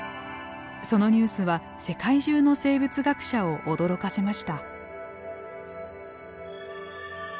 そのニュースは世界中の生物学者を驚かせました。